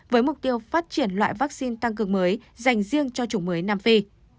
với mục tiêu phát triển loại vaccine tăng cường mới dành riêng cho chủng mới nam phi